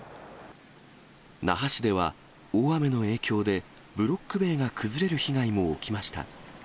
那覇市では、大雨の影響で、ブロック塀が崩れる被害も起きました。